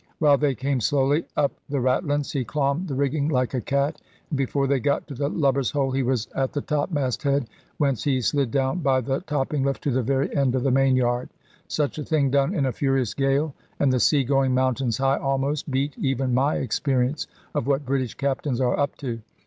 While they came slowly up the ratlins, he clomb the rigging like a cat, and before they got to the lubber's hole he was at the topmasthead, whence he slid down by the topping lift to the very end of the mainyard. Such a thing done in a furious gale, and the sea going mountains high almost, beat even my experience of what British captains are up to.